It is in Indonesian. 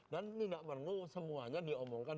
dan tidak perlu semuanya diomongkan